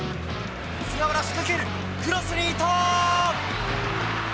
菅原仕掛ける、クロスに伊東。